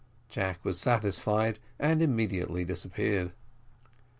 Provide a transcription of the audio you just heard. Jack was satisfied, and immediately disappeared.